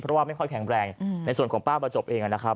เพราะว่าไม่ค่อยแข็งแรงในส่วนของป้าประจบเองนะครับ